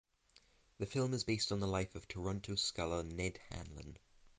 The film is based on the life of Toronto sculler Ned Hanlan.